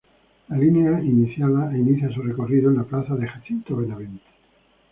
La línea inicia su recorrido en la Plaza de Jacinto Benavente.